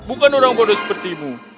bukan orang bodoh seperti kamu